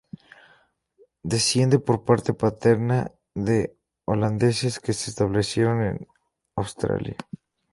Desciende, por parte paterna, de holandeses que se establecieron en Australia.